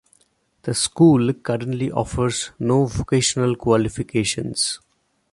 The school currently offers no vocational qualifications.